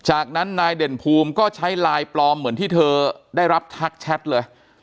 จากนั้นนายเด่นภูมิก็ใช้ไลน์ปลอมเหมือนที่เธอได้รับทักแชทเลย